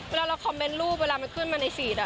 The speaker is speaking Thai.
เวลาเราคอมเมนต์รูปเวลามันขึ้นมาในฟีด